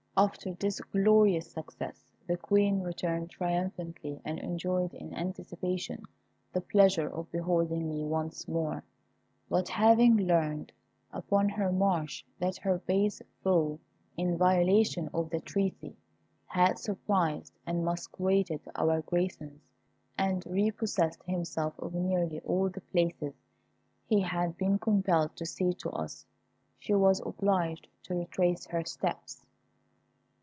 After this glorious success, the Queen returned triumphantly, and enjoyed in anticipation the pleasure of beholding me once more; but having learned upon her march that her base foe, in violation of the treaty, had surprised and massacred our garrisons, and repossessed himself of nearly all the places he had been compelled to cede to us, she was obliged to retrace her steps.